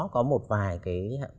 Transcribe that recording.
có một vài cái